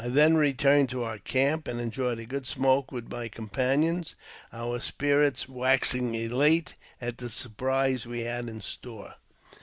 then returned to our camp, and enjoyed a good smoke witl my companions, our spirits waxing elate at the surprise we had in store.